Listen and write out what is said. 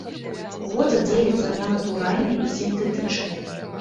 Воцат дзеліцца на натуральны і сінтэтычны.